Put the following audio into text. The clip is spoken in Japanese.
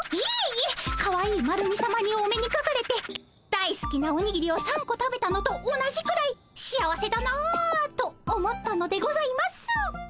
いえいえかわいいマルミさまにお目にかかれて大すきなおにぎりを３個食べたのと同じくらい幸せだなと思ったのでございます。